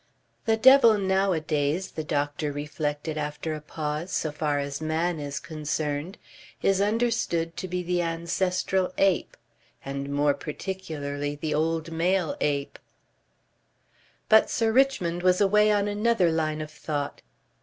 "The devil nowadays," the doctor reflected after a pause, "so far as man is concerned, is understood to be the ancestral ape. And more particularly the old male ape." But Sir Richmond was away on another line of thought.